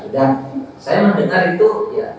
dan saya mendengar itu ya